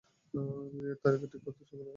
বিয়ের তারিখ ঠিক করতে তাকে সকালে বাড়িত আসতে বলেছ।